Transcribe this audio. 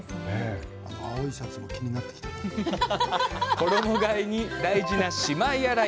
衣がえに大事な、しまい洗い。